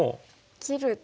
切ると。